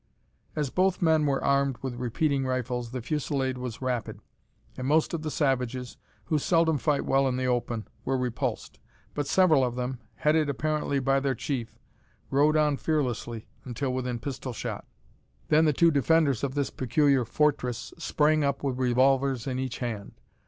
As both men were armed with repeating rifles the fusillade was rapid, and most of the savages, who seldom fight well in the open, were repulsed. But several of them, headed apparently by their chief, rode on fearlessly until within pistol shot. Then the two defenders of this peculiar fortress sprang up with revolvers in each hand.